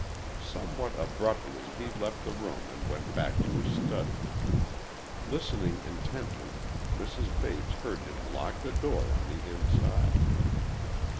Somewhat abruptly, he left the room and went back to his study. Listening intently, Mrs. Bates heard him lock the door on the inside.